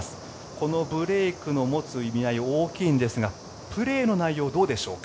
このブレークの持つ意味合い大きいんですがプレーの内容どうでしょうか？